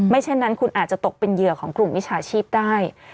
เช่นนั้นคุณอาจจะตกเป็นเหยื่อของกลุ่มวิชาชีพได้